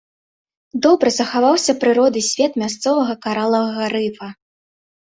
Добра захаваўся прыродны свет мясцовага каралавага рыфа.